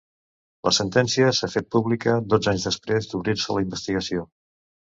La sentència s’ha fet pública dotze anys després d’obrir-se la investigació.